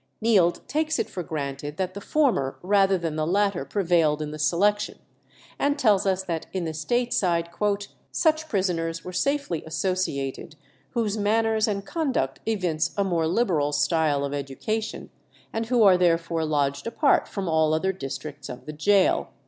Neild takes it for granted that the former rather than the latter prevailed in the selection, and tells us that in the state side "such prisoners were safely associated whose manners and conduct evince a more liberal style of education, and who are therefore lodged apart from all other districts of the gaol."